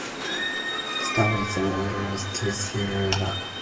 The town is adjacent to the Stewart River.